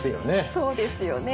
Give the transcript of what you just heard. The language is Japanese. そうですよね。